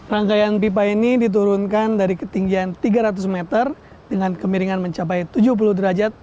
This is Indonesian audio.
rangkaian pipa ini diturunkan dari ketinggian tiga ratus meter dengan kemiringan mencapai tujuh puluh derajat